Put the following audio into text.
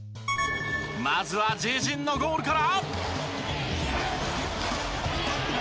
まずは自陣のゴールから。